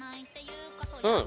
うん！